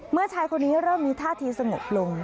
ชายคนนี้เริ่มมีท่าทีสงบลง